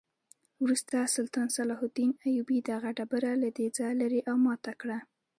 وروسته سلطان صلاح الدین ایوبي دغه ډبره له دې ځایه لرې او ماته کړه.